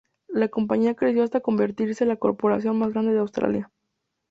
La compañía creció hasta convertirse en la corporación más grande de Australia.